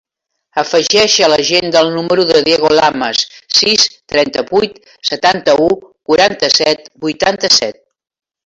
Afegeix a l'agenda el número del Diego Lamas: sis, trenta-vuit, setanta-u, quaranta-set, vuitanta-set.